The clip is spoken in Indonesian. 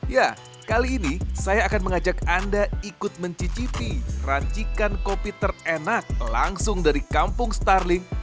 ya kali ini saya akan mengajak anda ikut mencicipi rancikan kopi terenak langsung dari kampung starling